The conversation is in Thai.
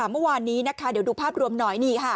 เมื่อวานนี้นะคะเดี๋ยวดูภาพรวมหน่อย